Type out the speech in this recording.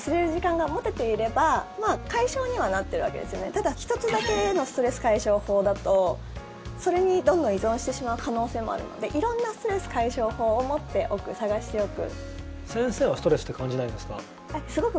ただ１つだけのストレス解消法だとそれにどんどん依存してしまう可能性もあるので色んなストレス解消法を持っておく、探しておく。